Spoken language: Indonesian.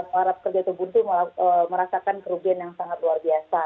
para pekerja terbuntu merasakan kerugian yang sangat luar biasa